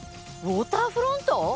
ウォーターフロント？